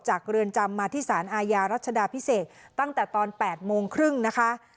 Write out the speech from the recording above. เรือนจำมาที่สารอาญารัชดาพิเศษตั้งแต่ตอน๘โมงครึ่งนะคะ